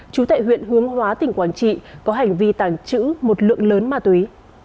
chú tại huyện hướng hóa tỉnh quảng trị có hành vi tàng trữ một lượng lớn ma túy